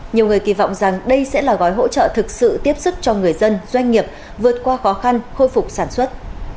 nhiều người kỳ vọng rằng đây sẽ là gói hỗ trợ thực sự tiếp sức cho người dân doanh nghiệp vượt qua khó khăn khôi phục sản xuất